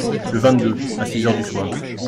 Le vingt-deux, à six heures du soir.